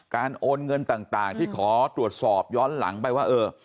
โอนเงินต่างที่ขอตรวจสอบย้อนหลังไปว่าเออ